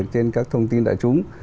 trên các thông tin đại chúng